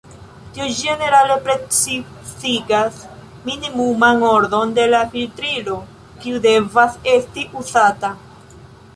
Ĉi tio ĝenerale precizigas minimuman ordon de la filtrilo kiu devas esti uzata.